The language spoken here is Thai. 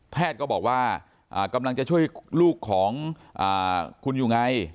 แพทย์ก็บอกว่าอ่ากำลังจะช่วยลูกของอ่าคุณอยู่ไง